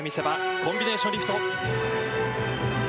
コンビネーションリフト。